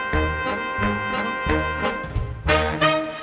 เยี่ยมมาก